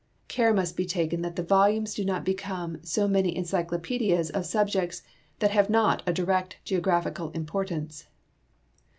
Care must be taken that the volumes do not become so many encyclopedias of sub jects that have not a " direct geographical importance."